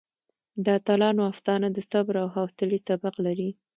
د اتلانو افسانه د صبر او حوصلې سبق لري.